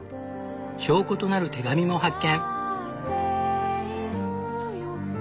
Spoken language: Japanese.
証拠となる手紙も発見！